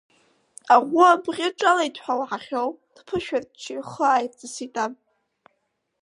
Аӷәы абӷьы ҿалеит ҳәа уаҳахьоу, дԥышәарччо ихы ааирҵысит аб.